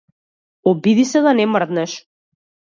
Обиди се да не мрдаш.